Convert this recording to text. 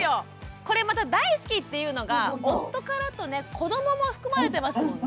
これまた「大好き」っていうのが夫からとね子どもも含まれてますもんね。